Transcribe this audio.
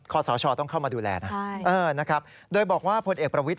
ขอสาวชอต้องเข้ามาดูแลนะนะครับโดยบอกว่าพลเอกประวิตร